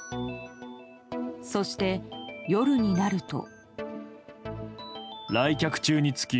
そして、夜になると。